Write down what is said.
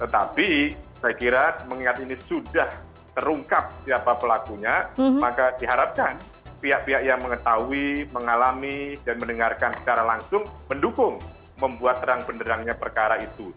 tetapi saya kira mengingat ini sudah terungkap siapa pelakunya maka diharapkan pihak pihak yang mengetahui mengalami dan mendengarkan secara langsung mendukung membuat terang penderangnya perkara itu